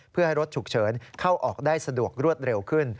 เพื่อให้รถฉุกเฉินเข้าออกได้สะดวกรวดเร็วขึ้น